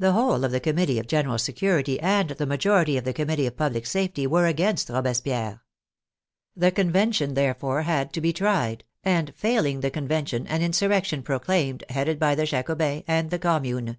The whole of the Committee of General Security and the majority of the Committee of Public Safety were against Robespierre. The Convention therefore had to be tried, and failing the Convention an insurrection proclaimed, headed by the Jacobins and the Commune.